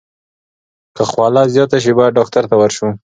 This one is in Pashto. که خوله زیاته شي، باید ډاکټر ته ورشو.